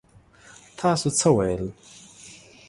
تاسو څه ويل؟